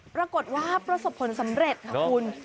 ปรากฏว่าประสบผลสำเร็จค่ะคุณ